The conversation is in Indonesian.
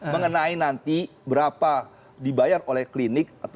mengenai nanti berapa dibayar oleh klinik